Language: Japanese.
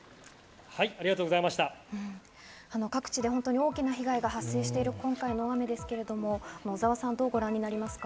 各地で大きな被害が発生している今回の雨ですが小澤さん、どうご覧になりますか？